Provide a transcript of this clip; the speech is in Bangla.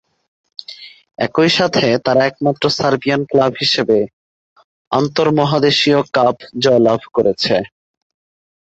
একই সাথে তারা একমাত্র সার্বিয়ান ক্লাব হিসেবে আন্তর্মহাদেশীয় কাপ জয়লাভ করেছে।